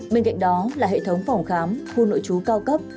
bên cạnh đó là hệ thống phòng khám khu nội trú cao cấp